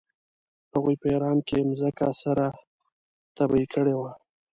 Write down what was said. هغوی په ایران کې مځکه سره تبې کړې وه.